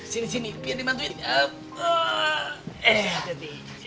sini sini biar dimantuin